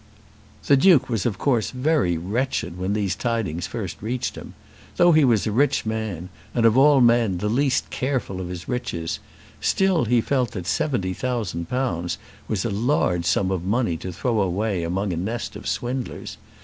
The Duke was of course very wretched when these tidings first reached him. Though he was a rich man, and of all men the least careful of his riches, still he felt that seventy thousand pounds was a large sum of money to throw away among a nest of swindlers.